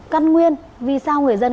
căn nguyên vì sao người dân